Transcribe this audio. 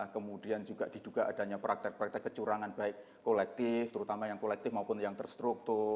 kemudian juga diduga adanya praktek praktek kecurangan baik kolektif terutama yang kolektif maupun yang terstruktur